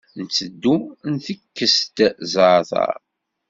Nteddu ntekkes-d zzeɛter.